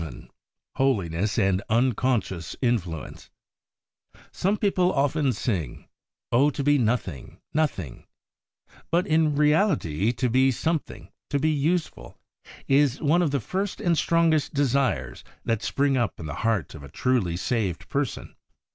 VII HOLINESS AND UNCONSCIOUS INFLUENCE Some people often sing" :— Ob, to be nothing, nothing ; but, in reality, to be something , to be useful, is one of the first and strongest desires that spring up in the heart of a truly saved person.